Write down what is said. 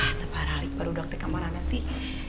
ah tepar tepar dokter kamarannya sih